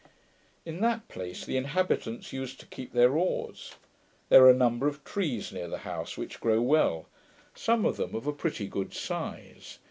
In that place the inhabitants used to keep their oars. There are a number of trees near the house, which grow well; some of them of a pretty good size.